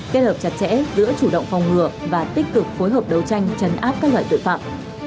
kết hợp chặt chẽ giữa chủ động phòng ngừa và tích cực phối hợp đấu tranh chấn áp các loại tội phạm